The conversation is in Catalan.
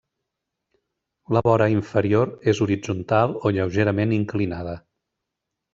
La vora inferior és horitzontal o lleugerament inclinada.